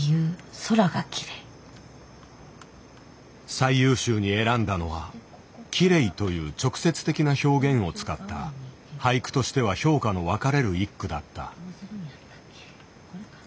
最優秀に選んだのは「きれい」という直接的な表現を使った俳句としては評価の分かれる１句だった。